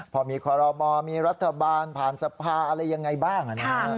พอมีคอรมอมีรัฐบาลผ่านสภาอะไรยังไงบ้าง